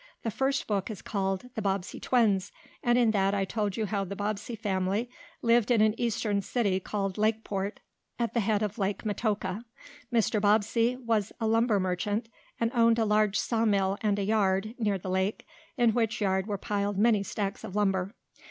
The first book is called "The Bobbsey Twins," and in that I told you how the Bobbsey family lived in an eastern city called Lakeport, at the head of Lake Metoka. Mr. Bobbsey was a lumber merchant, and owned a large sawmill, and a yard, near the lake, in which yard were piled many stacks of lumber.